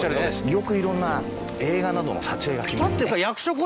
よくいろんな映画などの撮影が来ます。